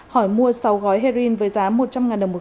hỏi mua sáu gói heroin với giá một trăm linh đồng một kg